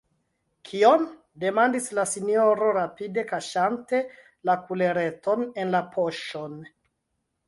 « Kion?», demandis la sinjoro, rapide kaŝante la kulereton en la poŝon.